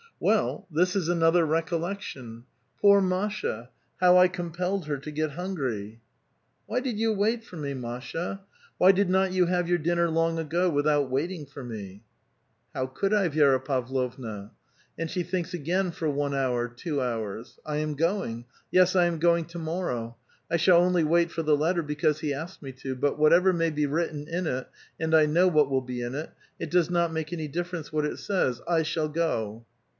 Well, this is another recollection. ^^ Foor Masha ! how I com pelled her to get hungry* !"*' Why did you wait for me, Masha! Why did not you have your dinner long ago, without waiting for me ?"*' How could I, Vi?ra Pavlovna?" And she thinks again for one hour, two hours. '^ I am going ; yes, 1 am going to morrow. I shall only wait for the letter l)ecause he asked me to. But whatever may be writ ten in it, — and I know what will be in it, — It does not make any difference what it says, I shall go."